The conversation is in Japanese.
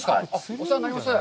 お世話になります。